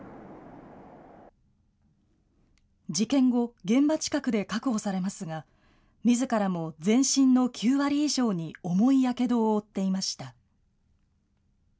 事件後、現場近くで確保されますがみずからも全身の９割以上に重いやけどを負っていました。